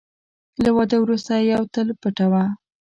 له واده وروسته یوه تل پټوه .